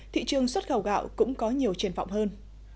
thị trường xuất khẩu gạo cũng có nhiều triển vọng hơn